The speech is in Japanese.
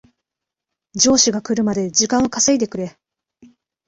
上司が来るまで時間を稼いでくれ